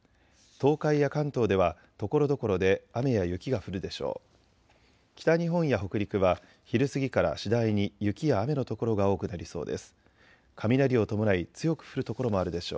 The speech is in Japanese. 東海や関東ではところどころで雨や雪が降るでしょう。